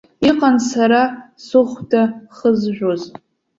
Иҟан сара сыхәда хызжәоз.